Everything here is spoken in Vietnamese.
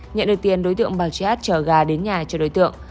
nhận được tiền đối tượng bảo chị hát chở gà đến nhà cho đối tượng